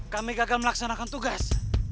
kami gagal melaksanakan tugas